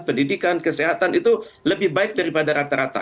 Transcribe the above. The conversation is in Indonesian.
pendidikan kesehatan itu lebih baik daripada rata rata